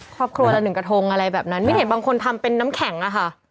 ครอบครัวละหนึ่งกระทงอะไรแบบนั้นไม่เห็นบางคนทำเป็นน้ำแข็งอะค่ะ